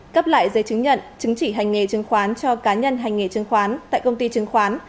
cấp lại giấy chứng nhận chứng chỉ hành nghề chứng khoán cho cá nhân hành nghề chứng khoán tại công ty chứng khoán